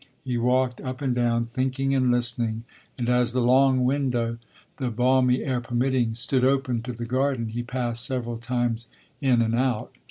He walked up and down, thinking and listening, and as the long window, the balmy air permitting, stood open to the garden, he passed several times in and out.